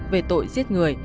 về tội giết người